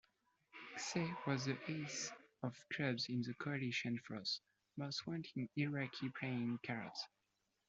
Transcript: Qusay was the ace of clubs in the coalition forces' most-wanted Iraqi playing cards.